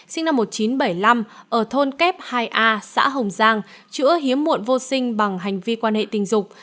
sinh năm một nghìn chín trăm bảy mươi năm ở thôn kép hai a xã hồng giang chữa hiếm muộn vô sinh bằng hành vi quan hệ tình dục